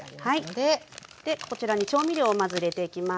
でこちらに調味料をまず入れていきます。